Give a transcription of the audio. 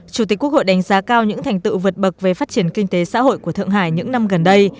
chủ tịch quốc hội đánh giá cao những thành tựu vượt bậc về phát triển kinh tế xã hội của thượng hải những năm gần đây